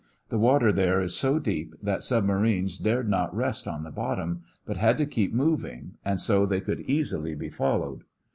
The water there is so deep that submarines dared not rest on the bottom, but had to keep moving, and so they could easily be followed.